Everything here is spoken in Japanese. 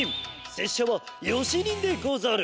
せっしゃはよし忍でござる！